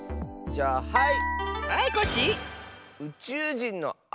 じゃあはい！